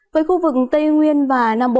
với khu vực tây nguyên và nam bộ